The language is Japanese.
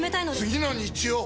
次の日曜！